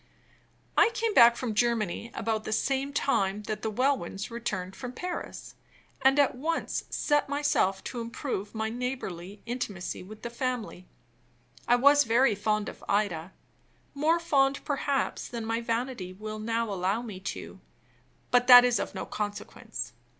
I came back from Germany about the same time that the Welwyns returned from Paris, and at once set myself to improve my neighborly intimacy with the family. I was very fond of Ida; more fond, perhaps, than my vanity will now allow me to ; but that is of no consequence.